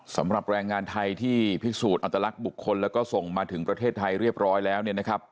สำหรับแรงงานไทยที่พิสูจน์อัตลักษณ์บุคคลแล้วก็ส่งมาถึงประเทศไทยเรียบร้อยแล้ว